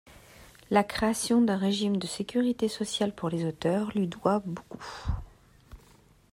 La création d’un régime de sécurité sociale pour les auteurs lui doit beaucoup.